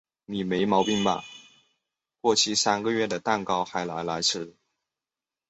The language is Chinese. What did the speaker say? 你没毛病吧？过期三个月了的蛋糕嗨拿来吃？